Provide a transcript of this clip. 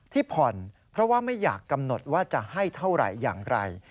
ผ่อนเพราะว่าไม่อยากกำหนดว่าจะให้เท่าไหร่อย่างไร